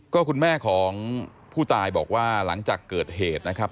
ก็คุณแม่ของผู้ตายบอกว่าหลังจากเกิดเหตุนะครับ